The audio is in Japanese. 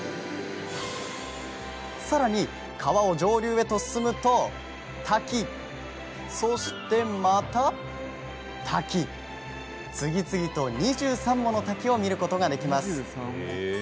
さらに、川を上流へと進むと滝また滝次々と２３もの滝を見ることができます。